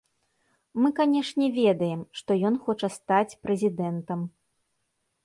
Мы канешне, ведаем, што ён хоча стаць прэзідэнтам.